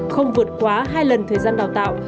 không vượt quá hai lần thời gian đào tạo